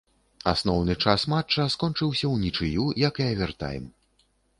Асноўны час матча скончыўся ўнічыю, як і авертайм.